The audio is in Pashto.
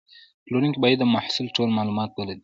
پلورونکی باید د محصول ټول معلومات ولري.